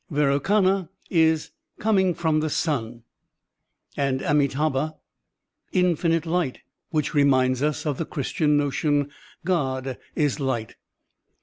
Vairochana is "coming from the sun," and Amit5,bha, "infinite light," which reminds us of the Chris tian notion, "(rod is light."